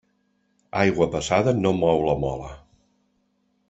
Aigua passada no mou la mola.